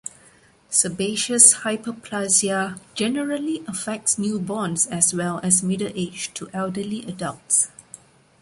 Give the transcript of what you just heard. Sebaceous hyperplasia generally affects newborns as well as middle-aged to elderly adults.